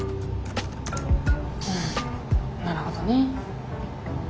うんなるほどね。